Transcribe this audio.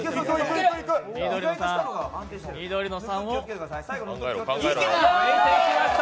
緑の３を抜いていきました。